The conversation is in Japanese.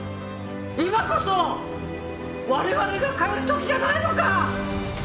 「今こそ我々が変える時じゃないのか！？」